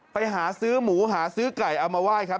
ไปหาซื้อหมูหาซื้อไก่เอามาไหว้ครับ